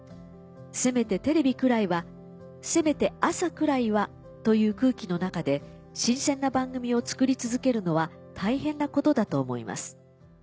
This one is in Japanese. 『せめてテレビくらいはせめて朝くらいは』という空気の中で新鮮な番組を作り続けるのは大変なことだと思います」。